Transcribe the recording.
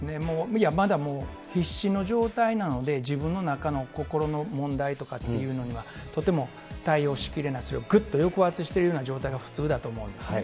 今、まだもう、必死の状態なので、自分の中の心の問題とかっていうのにはとても対応しきれない、ぐっと抑圧してるような状態が普通だと思うんですね。